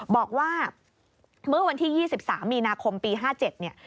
บอกว่าเมื่อวันที่๒๓มีนาคมปี๕๗เนี่ย